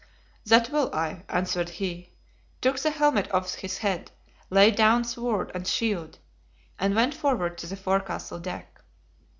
"That will I," answered he; took the helmet off his head; laid down sword and shield; and went forward to the forecastle deck.